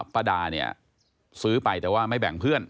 ป้าดาเนี่ยซื้อไปแต่ว่าไม่แบ่งเพื่อน